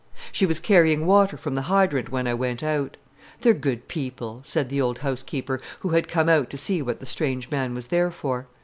She was carrying water from the hydrant when I went out. "They're good people," said the old housekeeper, who had come out to see what the strange man was there for.